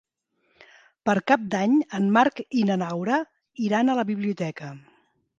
Per Cap d'Any en Marc i na Laura iran a la biblioteca.